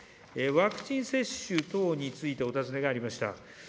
ワクチン接種等についてお尋ねがありました。